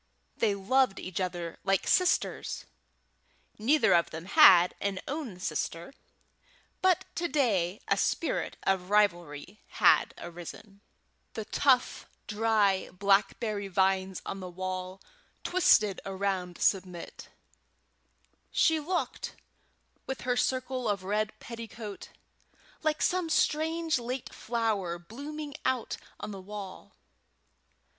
They loved each other like sisters neither of them had an own sister but to day a spirit of rivalry had arisen. [Footnote 1: From Harper's Young People, November 25, 1890.] The tough dry blackberry vines on the wall twisted around Submit; she looked, with her circle of red petticoat, like some strange late flower blooming out on the wall.